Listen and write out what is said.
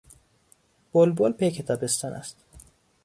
بلبل پیک تابستان است.